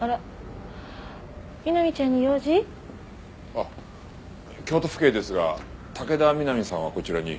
あっ京都府警ですが武田美波さんはこちらに？